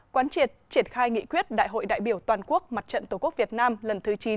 quán triệt triển khai nghị quyết đại hội đại biểu toàn quốc mặt trận tổ quốc việt nam lần thứ chín